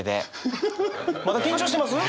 まだ緊張してます？